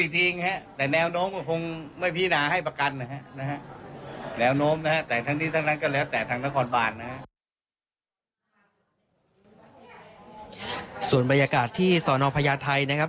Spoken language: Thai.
ส่วนบรรยากาศที่สนพญาไทยนะครับ